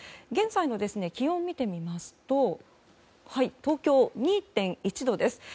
現在の気温を見てみますと東京、２．１度です。